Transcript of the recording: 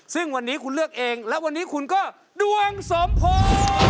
ซึ่งวันนี้คุณเลือกเองและวันนี้คุณก็ดวงสมพงษ์